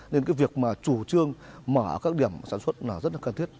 nên việc chủ trương mở các điểm sản xuất rất là cần thiết